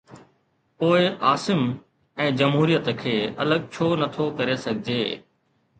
پوءِ عاصم ۽ جمهوريت کي الڳ ڇو نٿو ڪري سگهجي؟